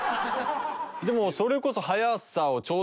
でもそれこそ。